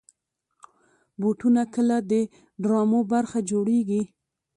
بوټونه کله د ډرامو برخه جوړېږي.